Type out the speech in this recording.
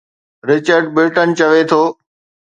Richard Burton چوي ٿو.